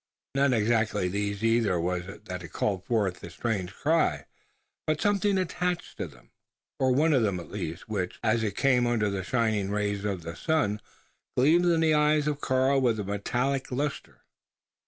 Not exactly these either was it that had called forth that strange cry; but something attached to them or one of them at least which, as it came under the shining rays of the sun, gleamed in the eyes of Karl with a metallic lustre.